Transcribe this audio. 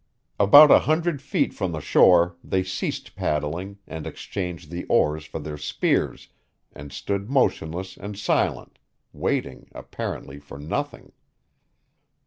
About a hundred feet from the shore they ceased paddling and exchanged the oars for their spears, and stood motionless and silent, waiting, apparently, for nothing.